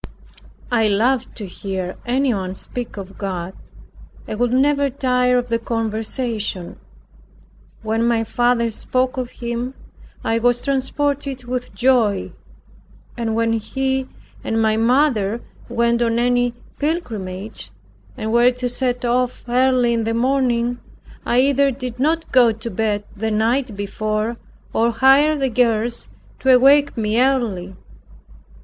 I loved to hear anyone speak of God, and would never tire of the conversation. When my father spoke of Him, I was transported with joy; and when he and my mother went on any pilgrimage, and were to set off early in the morning, I either did not go to bed the night before, or hired the girls to awake me early.